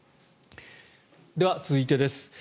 では、続いてです。